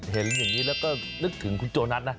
เห็นอย่างนี้แล้วก็นึกถึงคุณโจนัสนะ